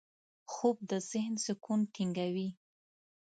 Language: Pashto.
خوب د ذهن سکون ټینګوي